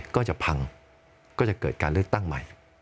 ก็จะพังก็จะเกิดการเลือกตั้งใหม่